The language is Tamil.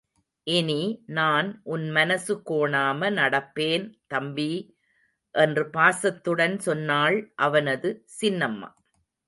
இனி நான் உன் மனசு கோணாம நடப்பேன், தம்பி!... என்று பாசத்துடன் சொன்னாள் அவனது சின்னம்மா.